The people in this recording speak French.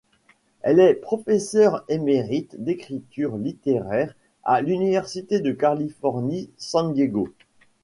Elle est professeur émérite d'écriture littéraire à l'Université de Californie, San Diego.